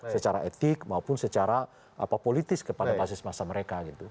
secara etik maupun secara politis kepada basis masa mereka gitu